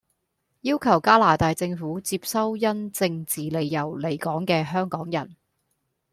要求加拿大政府接收因政治理由離港既香港人，